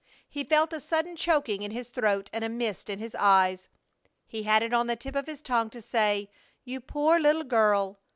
He felt a sudden choking in his throat and a mist in his eyes. He had it on the tip of his tongue to say, "You poor little girl!"